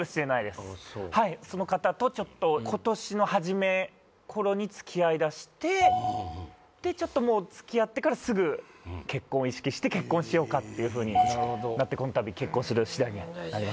そうはいその方とちょっと今年の初め頃に付き合いだしてでちょっともう付き合ってからすぐ結婚を意識して結婚しようかっていうふうになってこのたび結婚する次第になりました